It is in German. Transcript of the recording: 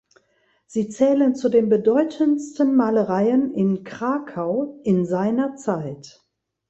Sie zählen zu den bedeutendsten Malereien in Krakau in seiner Zeit.